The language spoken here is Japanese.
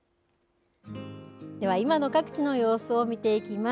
では、今の各地の様子を見ていきます。